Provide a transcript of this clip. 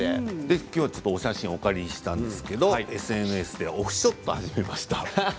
今日はお写真をお借りしたんですけどＳＮＳでオフショット始めました。